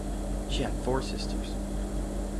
She had four sisters.